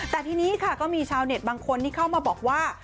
แต่ทีนี้ค่ะก็มีชาวเน็ตบางคนที่เข้ามาบอกว่า